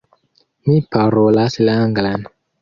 Mi parolas la anglan.